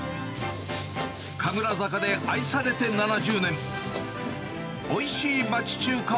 神楽坂で愛されて７０年。